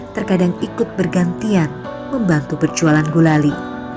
terkadang ikut bergantian membantu perjualan gulali